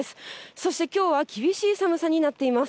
そしてきょうは、厳しい寒さになっています。